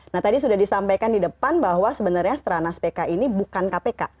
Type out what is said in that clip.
nah tadi sudah disampaikan di depan bahwa sebenarnya stranas pk ini bukan kpk